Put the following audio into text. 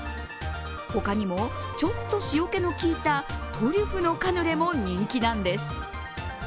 他にもちょっと塩気のきいたトリュフのカヌレも人気なんです。